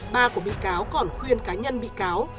ba của bị cáo còn khuyên cá nhân bị cáo